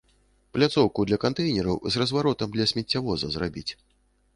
Пляцоўку для кантэйнераў з разваротам для смеццявоза зрабіць.